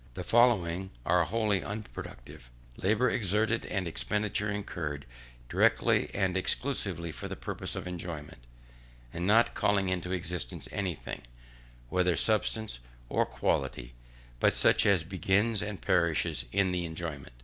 The following are wholly unproductive: Labour exerted, and expenditure incurred, directly and exclusively for the purpose of enjoyment, and not calling into existence anything, whether substance or quality, but such as begins and perishes in the enjoyment.